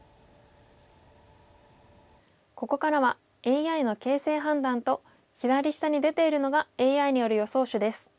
ここからはＡＩの形勢判断と左下に出ているのがＡＩによる予想手です。